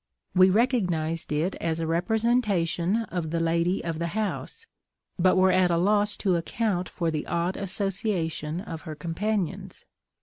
We recognised it as a representation of the lady of the house; but were at a loss to account for the odd association of her companions.